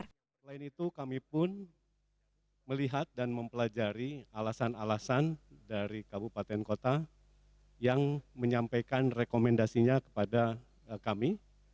selain itu kami pun melihat dan mempelajari alasan alasan dari kabupaten kota yang menyampaikan rekomendasinya kepada kami